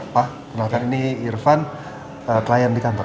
pak dokter ini irfan klien di kantor